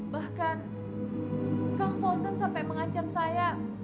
bahkan kang fonsen sampai mengacam saya